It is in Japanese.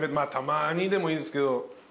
たまにでもいいですけど。